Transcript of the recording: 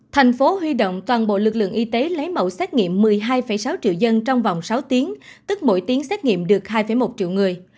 thành phố huy động toàn bộ lực lượng y tế lấy mẫu xét nghiệm một mươi hai sáu triệu dân trong vòng sáu tiếng tức mỗi tiếng xét nghiệm được hai một triệu người